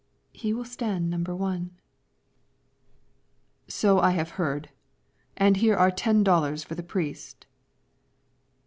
"He will stand Number One." "So I have heard; and here are ten dollars for the priest."